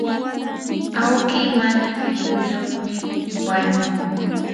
awki mana kiruyuqmi wañukun.